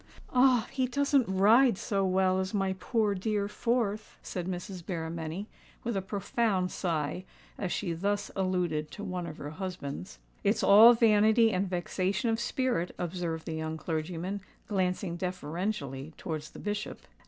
"Ah! he doesn't ride so well as my poor dear fourth," said Mrs. Berrymenny, with a profound sigh, as she thus alluded to one of her husbands. "It's all vanity and vexation of spirit," observed the young clergyman, glancing deferentially towards the Bishop.